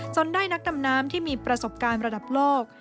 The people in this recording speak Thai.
ได้นักดำน้ำที่มีประสบการณ์ระดับโลก